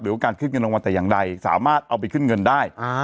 การขึ้นเงินรางวัลแต่อย่างใดสามารถเอาไปขึ้นเงินได้